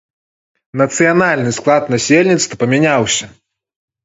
Нацыянальны склад насельніцтва памяняўся.